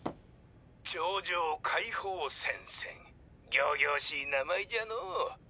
超常解放戦線仰々しい名前じゃのう。